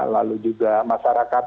lalu juga masyarakat